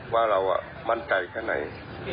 ว่าเรามั่นใจแค่ไหน